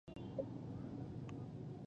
د زده کوونکو ترمنځ فرق او تفاوت نه کول.